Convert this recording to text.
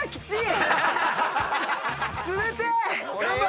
冷てえ！